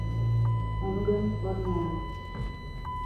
Ony gömüp bolmaýar.